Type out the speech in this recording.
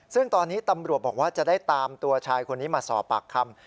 ซึ่งตอนนี้ตำรวจบอกว่าจะได้ตามตัวชายคนนี้มาสอบปากคำ